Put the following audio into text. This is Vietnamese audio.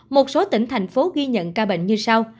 một số tỉnh thành phố ghi nhận ca bệnh như sau